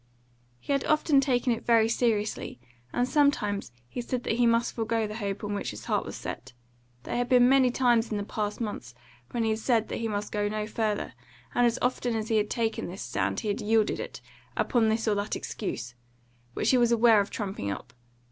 He had often taken it very seriously, and sometimes he said that he must forego the hope on which his heart was set. There had been many times in the past months when he had said that he must go no further, and as often as he had taken this stand he had yielded it, upon this or that excuse, which he was aware of trumping up.